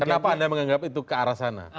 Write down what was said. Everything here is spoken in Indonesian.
kenapa anda menganggap itu ke arah sana